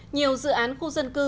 nhiều dự án khu dân cư